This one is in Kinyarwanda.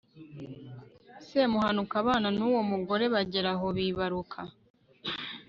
semuhanuka abana n'uwo mugore bagera aho bibaruka